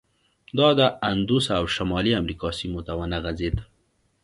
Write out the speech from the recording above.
دا د اندوس او شمالي امریکا سیمو ته ونه غځېد.